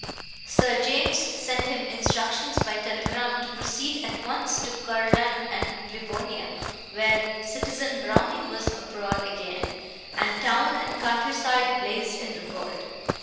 Sir James sent him instructions by telegram to proceed at once to Kurland and Livonia, where Citizen Browning was abroad again, and town and country side blazed in revolt.